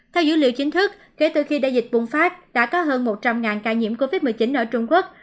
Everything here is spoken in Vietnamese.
theo dữ liệu chính thức kể từ khi đại dịch bùng phát đã có hơn một trăm linh ca nhiễm covid một mươi chín ở trung quốc